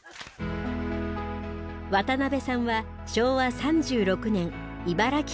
渡辺さんは昭和３６年茨城県生まれ。